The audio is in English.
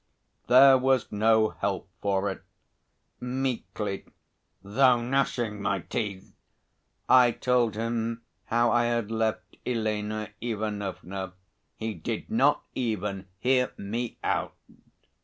There was no help for it! Meekly, though gnashing my teeth, I told him how I had left Elena Ivanovna. He did not even hear me out.